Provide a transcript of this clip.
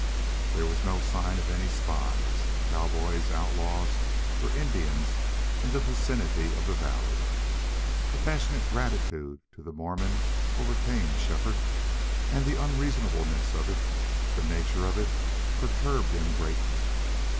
There was no sign of any spies, cowboys, outlaws, or Indians in the vicinity of the valley. A passionate gratitude to the Mormon overcame Shefford; and the unreasonableness of it, the nature of it, perturbed him greatly.